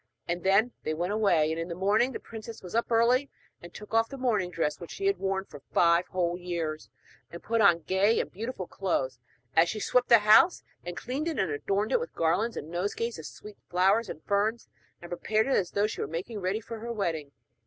And then they went away. [Illustration: 'QUEEN OF SNAKES, GIVE ME BACK MY HUSBAND'] In the morning the princess was up early, and took off the mourning dress which she had worn for five whole years, and put on gay and beautiful clothes. And she swept the house and cleaned it, and adorned it with garlands and nosegays of sweet flowers and ferns, and prepared it as though she were making ready for her wedding.